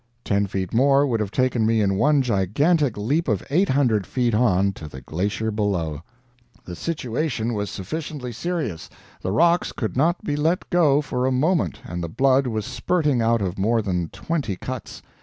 Ten feet more would have taken me in one gigantic leap of eight hundred feet on to the glacier below. "The situation was sufficiently serious. The rocks could not be let go for a moment, and the blood was spurting out of more than twenty cuts.